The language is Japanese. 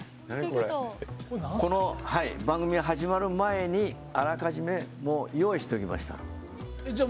この番組が始まる前にあらかじめもう用意しておりました。